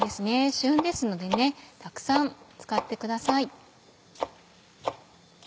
旬ですのでたくさん使ってください。